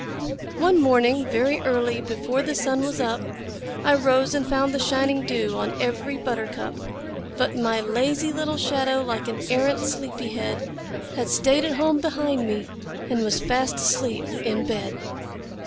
MY SHADOW [Pg 21] One morning, very early, before the sun was up, I rose and found the shining dew on every buttercup; But my lazy little shadow, like an arrant sleepy head, Had stayed at home behind me and was fast asleep in bed.